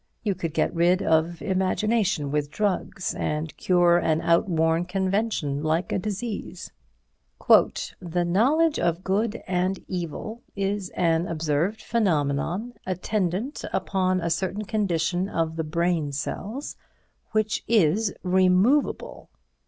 You could get rid of imagination with drugs and cure an outworn convention like a disease. "The knowledge of good and evil is an observed phenomenon, attendant upon a certain condition of the brain cells, which is removable."